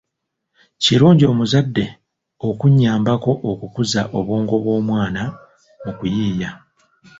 Kirungi omuzadde okunyambako okukuza obwongo bw’abaana mu kuyiiya.